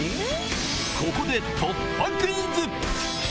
ここで突破クイズ！